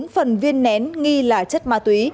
bốn phần viên nén nghi là chất ma túy